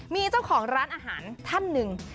มีเจ้าของร้านอาหารท่านหนึ่ง